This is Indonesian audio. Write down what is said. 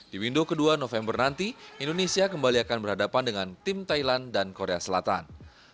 di window kedua november nanti indonesia kembali akan berhadapan dengan tim thailand dan korea selatan